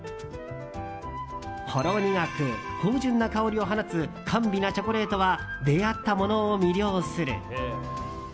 ほろ苦く、芳醇な香りを放つ甘美なチョコレートは出会った者を魅了する。